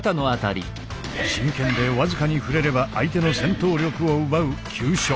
真剣で僅かに触れれば相手の戦闘力を奪う急所。